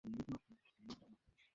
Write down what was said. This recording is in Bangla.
এর চেয়ে ভালো সুযোগ পাবে না।